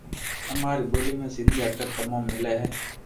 اماري ٻولي ۾ سندي اکر تموم ملي ھي